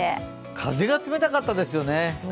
風が冷たかったですよね。